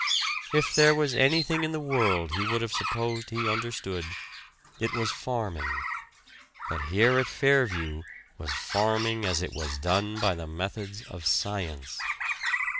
If there was anything in the world he would have supposed he understood, it was farming; but here at "Fairview" was farming as it was done by the methods of Science.